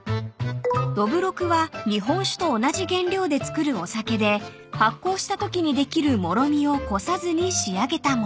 ［どぶろくは日本酒と同じ原料で造るお酒で発酵したときにできるもろみをこさずに仕上げた物］